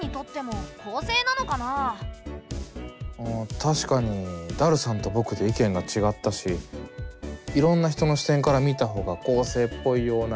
確かにダルさんとぼくで意見がちがったしいろんな人の視点から見たほうが公正っぽいような。